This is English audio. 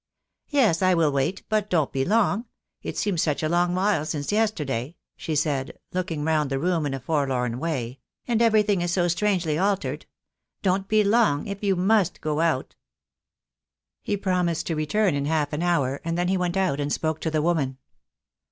"Yes, I will wait, but don't be long. It seems such a long while since yesterday," she said, looking round the room in a forlorn wTay, " and everything is so strangely altered. Don't be long, if you must go out." He promised to return in half an hour, and then he went out and spoke to the woman.